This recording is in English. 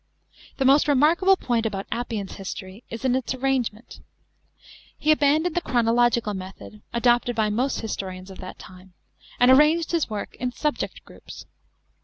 The most remarkable point about Appian's history is its arrangement He abandoned the chronological method, adopted by most his torians of that time, and arranged his work in subject groups.